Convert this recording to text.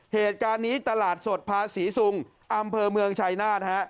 เหตุการณ์นี้ตลาดสดภาษีซุงอำเภอเมืองชายนาฏฮะ